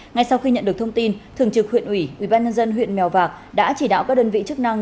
ngay sau khi nhận được thông tin thường trực huyện ủy ubnd huyện mèo vạc đã chỉ đạo các đơn vị chức năng